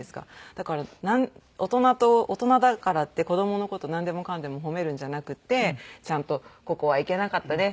だから大人と大人だからって子どもの事なんでもかんでも褒めるんじゃなくてちゃんとここはいけなかったね